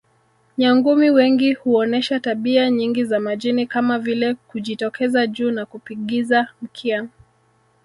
Nyangumi wengi huonesha tabia nyingi za majini kama vile kujitokeza juu na kupigiza mkia